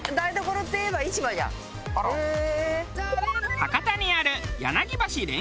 博多にある。